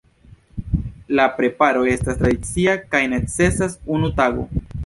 La preparo estas tradicia kaj necesas unu tago.